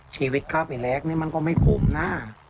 ชีวิตเข้าไปแรกนี่มันก็ไม่ขมนะ